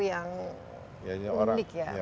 yang unik ya